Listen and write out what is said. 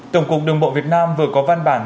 tổng cục đường bộ việt nam vừa có văn bản